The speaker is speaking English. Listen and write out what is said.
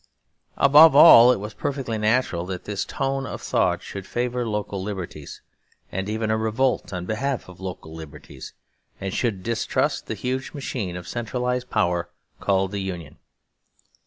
Above all, it was perfectly natural that this tone of thought should favour local liberties, and even a revolt on behalf of local liberties, and should distrust the huge machine of centralised power called the Union.